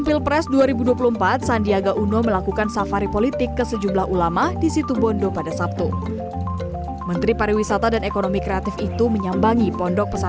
dirinya pun mengaku mendapat petuah tentang sosok pemimpin yang tepat untuk bangsa